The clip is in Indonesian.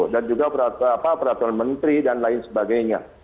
dan juga peraturan menteri dan lain sebagainya